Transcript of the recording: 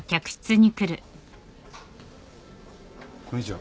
こんにちは。